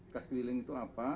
kas keliling itu apa